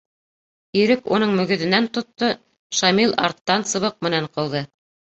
Ирек уның мөгөҙөнән тотто, Шамил арттан сыбыҡ менән ҡыуҙы.